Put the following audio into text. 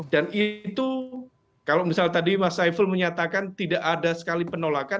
dan itu kalau misalnya tadi mas saiful menyatakan tidak ada sekali penolakan